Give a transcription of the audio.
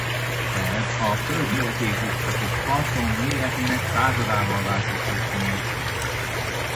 Ez a Föld méretét is csak egy atom méretének századával változtatja meg.